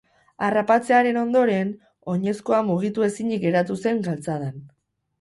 Harrapatzearen ondoren, oinezkoa mugitu ezinik geratu zen galtzadan.